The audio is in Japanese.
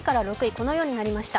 このようになりました。